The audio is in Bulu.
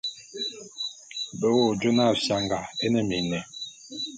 Be wo jona fianga é ne miné.